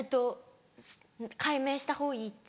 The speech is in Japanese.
改名したほうがいいって。